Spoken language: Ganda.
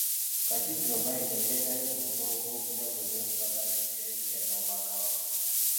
Katikkiro Mayiga yeetabye ku mukolo gw'okujaguza enkolagana y'Eklezia n'Obwakabaka.